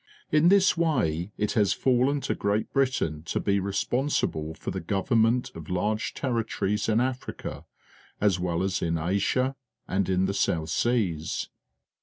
In this way it has fallen to Great Britain to be responsible for the govern ment of large territories in Africa, as well as in Asia and in the South Seas.